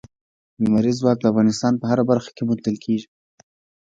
لمریز ځواک د افغانستان په هره برخه کې موندل کېږي.